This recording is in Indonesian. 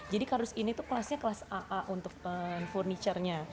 jadi kardus ini tuh kelasnya kelas aa untuk furniture nya